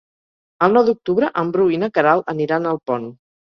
El nou d'octubre en Bru i na Queralt aniran a Alpont.